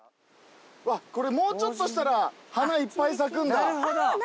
もうちょっとしたら花いっぱい咲くんだ。